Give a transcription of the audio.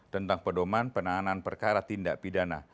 tentang perdomaan penanganan perkara tindak pidana